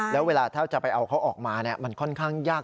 แล้วเวลาถ้าจะไปเอาเขาออกมามันค่อนข้างยาก